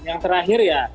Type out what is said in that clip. yang terakhir ya menghubungi